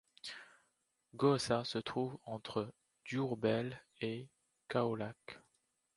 Gossas se trouve entre Diourbel et Kaolack.